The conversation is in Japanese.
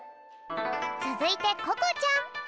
つづいてここちゃん。